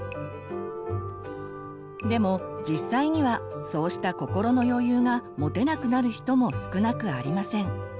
でも実際にはそうした心の余裕が持てなくなる人も少なくありません。